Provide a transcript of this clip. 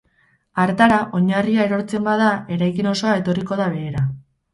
Hartara, oinarria erortzen bada, eraikin osoa etorriko da behera.